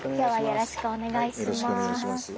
よろしくお願いします。